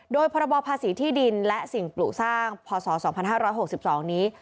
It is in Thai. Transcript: โดยพรบภาษีที่ดินและสิ่งปลูกสร้างพศ๒๕๖๒นี้